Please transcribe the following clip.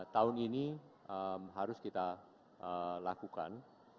tahun ini harus kita lakukan